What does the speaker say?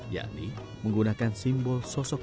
yakni menggunakan simbol sosok